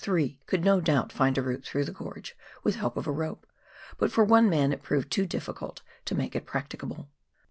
three could no doubt find a route through the gorge with help of a rope, but for one man it proved too difficult to make it practicable.